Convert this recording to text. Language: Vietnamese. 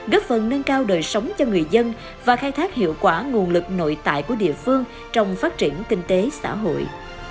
góp phần nâng cao đời sống cho người dân và khai thác hiệu quả nguồn lực nội tại của địa phương trong phát triển kinh tế xã hội